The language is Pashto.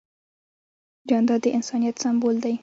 جانداد د انسانیت سمبول دی.